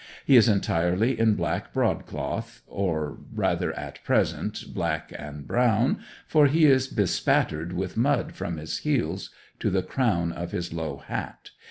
He is entirely in black broadcloth or rather, at present, black and brown, for he is bespattered with mud from his heels to the crown of his low hat.